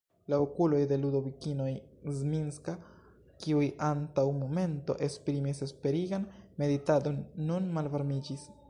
La okuloj de Ludovikino Zminska, kiuj antaŭ momento esprimis esperigan meditadon, nun malvarmiĝis.